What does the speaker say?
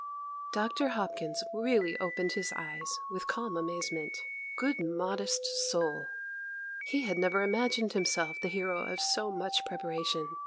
Dr. Hopkins really opened his eyes with calm amazement—good modest soul! he had never imagined himself the hero of so much preparation.